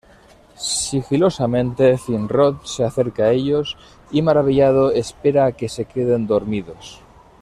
Sigilosamente Finrod se acerca a ellos y maravillado espera a que se queden dormidos.